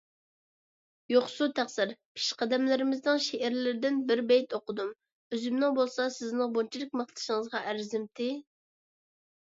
يوقسۇ تەقسىر، پېشقەدەملىرىمىزنىڭ شېئىرلىرىدىن بىر بېيىت ئوقۇدۇم، ئۆزۈمنىڭ بولسا سىزنىڭ بۇنچىلىك ماختىشىڭىزغا ئەرزىمتى.